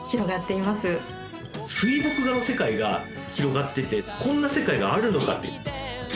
水墨画の世界が広がっててこんな世界があるのかって。